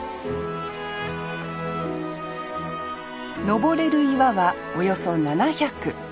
登れる岩はおよそ７００。